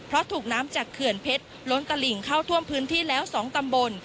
เพราะถูกน้ำจากเขื่อนเพชรล้นตลิ่งเข้าท่วมพื้นที่แล้ว๒ตำบล